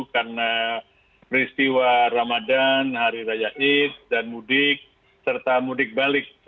karena peristiwa ramadan hari raya id dan mudik serta mudik balik